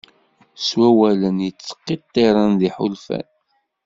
S wawalen yettqiṭṭiren d iḥulfan.